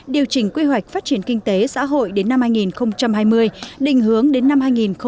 điều chỉnh quy hoạch phát triển kinh tế xã hội đến năm hai nghìn hai mươi đình hướng đến năm hai nghìn hai mươi năm